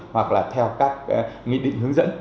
hoặc là theo các nghị định hướng dẫn